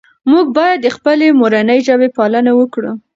موږ باید د خپلې مورنۍ ژبې پالنه وکړو.